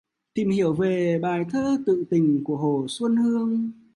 Tìm hiểu về bài thơ Tự Tình của Hồ Xuân Hương